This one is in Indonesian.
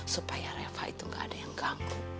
supaya reva itu gak ada yang ganggu